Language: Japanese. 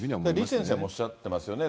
李先生もおっしゃっていますよね。